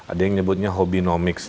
ada yang nyebutnya hobinomics